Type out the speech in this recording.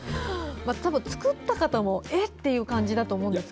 多分、作った方もえ？という感じだと思います。